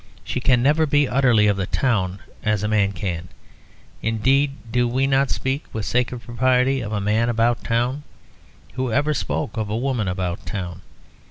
She can never be utterly of the town, as a man can; indeed, do we not speak (with sacred propriety) of 'a man about town'? Who ever spoke of a woman about town?